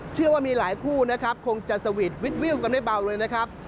เชื่อว่ามีหลายคู่นะครับคงจะสวีทวิดวิวกันไม่เบาเลยนะครับ